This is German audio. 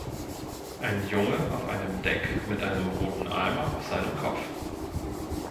Ein Junge auf einem Deck mit einem roten Eimer auf seinem Kopf.